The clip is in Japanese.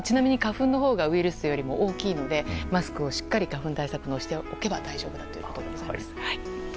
花粉のほうがウイルスよりも大きいのでマスクもしっかり花粉対策しておけば大丈夫だということです。